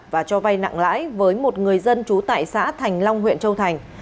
và cho vay nặng lãi với một người dân trú tại xã thành long huyện châu thành